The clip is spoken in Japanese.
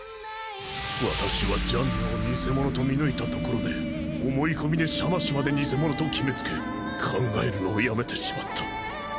私はジャンヌを偽者と見抜いたところで思い込みでシャマシュまで偽者と決めつけ考えるのをやめてしまった。